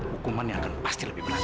hukumannya akan pasti lebih berat